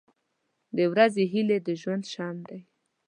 • د ورځې هیلې د ژوند شمع ده.